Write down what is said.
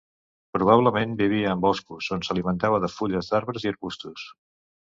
Probablement vivia en boscos, on s'alimentava de fulles d'arbres i arbustos.